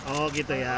oh gitu ya